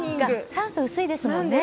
酸素が薄いですものね。